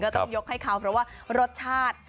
ต้องยกให้เขาเพราะว่ารสชาติ